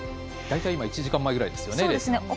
大体１時間前ぐらいですね。